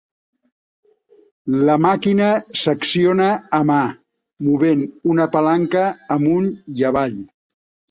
La màquina s'acciona a mà movent una palanca amunt i avall.